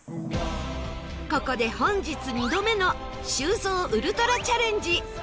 ここで本日２度目の修造ウルトラチャレンジ